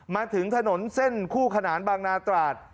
มาถึงถนนเส้นคู่ขนานบางนาตราด